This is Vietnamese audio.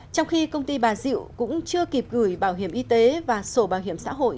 trong khi công ty bà diệu cũng chưa kịp gửi bảo hiểm y tế và sổ bảo hiểm xã hội